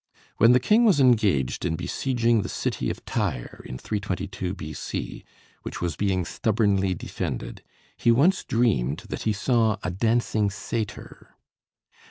When the King was engaged in besieging the city of Tyre (322 B.C.), which was being stubbornly defended, he once dreamed that he saw a dancing satyr.